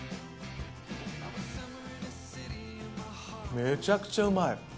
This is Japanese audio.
めちゃくちゃうまい。